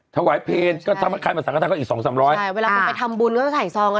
ถวายเพลงถ้าคันมาสามารถแล้วก็อีกสองสามร้อย